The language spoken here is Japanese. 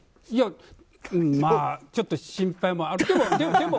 いやちょっと心配もある。